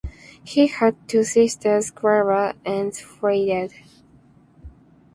He had two sisters, Clara and Frieda.